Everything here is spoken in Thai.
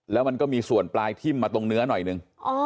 แล้วมันก็มีส่วนปลายทิ่มมาตรงเนื้อหน่อยนึง